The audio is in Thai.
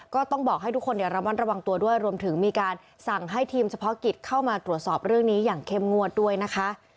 ก็ต้องบอกให้ทุกคนระมัดระวังตัวด้วยรวมถึงมีการสั่งให้ทีมเฉพาะกิจเข้ามาตรวจสอบเรื่องนี้อย่างเข้มงวดด้วยนะคะ